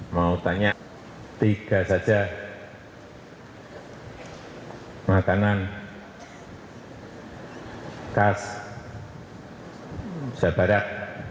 mau tanya tiga saja makanan khas jawa barat